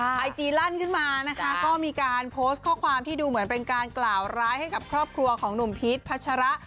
ไอจีลั่นขึ้นมานะคะก็มีการโพสต์ข้อความที่ดูเหมือนเป็นการกล่าวร้ายให้กับครอบครัวของหนุ่มพีชพัชระ